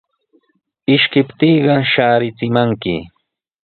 Ishkiptiiqa shaarichimanmi.